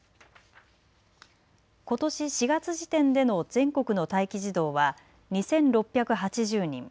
ことし４月時点での全国の待機児童は２６８０人。